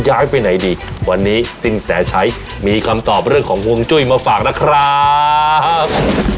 ย้ายไปไหนดีวันนี้สินแสชัยมีคำตอบเรื่องของห่วงจุ้ยมาฝากนะครับ